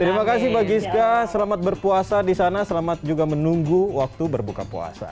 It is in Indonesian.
terima kasih mbak gisda selamat berpuasa di sana selamat juga menunggu waktu berbuka puasa